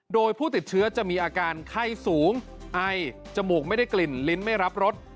โดยผู้ติดเชื้อจะมีอาการไข้สูงไอจมูกไม่ได้กลิ่นลิ้นไม่รับรส